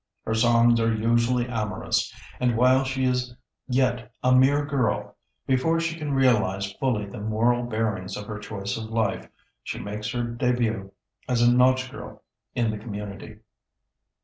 Her songs are usually amorous; and while she is yet a mere girl, before she can realize fully the moral bearings of her choice of life, she makes her debut as a nautch girl in the community.